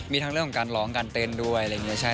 มีทั้งเรื่องของการร้องการเต้นด้วยอะไรอย่างนี้ใช่